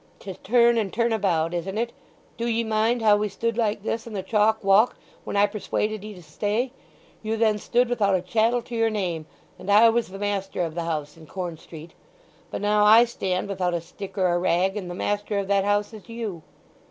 'Tis turn and turn about, isn't it! Do ye mind how we stood like this in the Chalk Walk when I persuaded 'ee to stay? You then stood without a chattel to your name, and I was the master of the house in Corn Street. But now I stand without a stick or a rag, and the master of that house is you."